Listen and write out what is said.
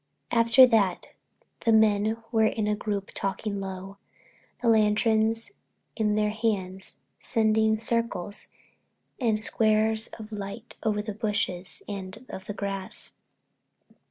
After that the men were in a group talking low, the lanterns in their hands sending circles and squares of light over the bushes and the grass.